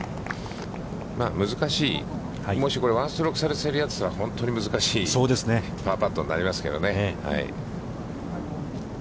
まあ難しい、もしこれ、１ストローク差で競り合ってたら、本当に難しいパーパットになりますけどね。